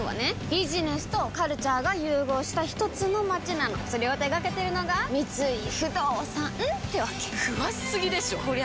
ビジネスとカルチャーが融合したひとつの街なのそれを手掛けてるのが三井不動産ってわけ詳しすぎでしょこりゃ